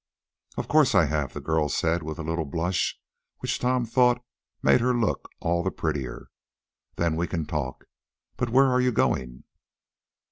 "Of course I have," the girl said, with a little blush, which Tom thought made her look all the prettier. "Then we can talk. But where are you going?"